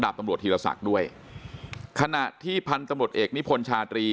ดาบตำรวจธีรษักร์ด้วยขณะที่พันธ์ตำรวจเอกนิพชาตรี